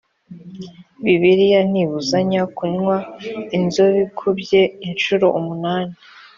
bibiliya ntibuzanya kunywa inzobikubye incuro umunani